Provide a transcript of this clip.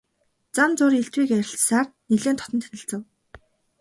Зам зуур элдвийг ярилцсаар нэлээд дотно танилцав.